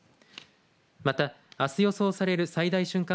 また、あす予想される最大瞬間